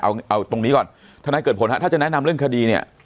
เอาตรงนี้ก่อนทนายเกิดผลฮะถ้าจะแนะนำเรื่องคดีเนี่ย